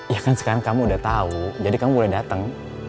ya kan sekarang kamu udah tahu jadi kamu boleh datang